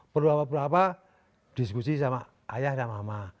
perlu apa perlu apa diskusi sama ayah dan mama